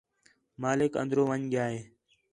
مالک اندر ون٘ڄ ڳِیا ہے